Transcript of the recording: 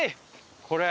これ。